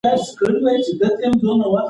موږ باید له باد څخه برېښنا جوړه کړو.